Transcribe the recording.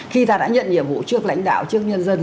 khi ta đã nhận nhiệm vụ trước lãnh đạo trước nhân dân